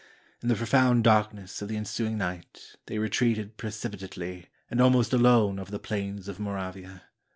In the pro found darkness of the ensuing night, they retreated pre cipitately and almost alone over the plains of Lloravia.